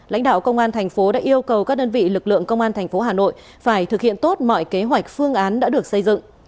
lãnh đạo công an thành phố đã yêu cầu các đơn vị lực lượng công an thành phố hà nội phải thực hiện tốt mọi kế hoạch phương án đã được xây dựng